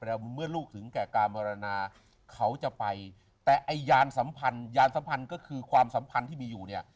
แล้วเมื่อลูกถึงแก่กามรณาเขาจะไปแต่ไอ้ยานสัมพันธ์ยานสัมพันธ์ก็คือความสัมพันธ์ที่มีอยู่เนี่ย